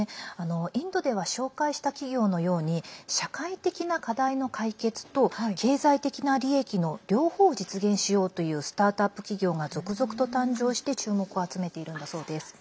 インドでは紹介した企業のように社会的な課題の解決と経済的な利益の両方を実現しようというスタートアップ企業が続々と誕生して注目を集めているんだそうです。